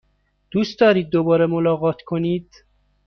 دوست دارید دوباره ملاقات کنید؟